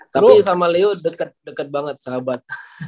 tapi sama leo deket banget sahabat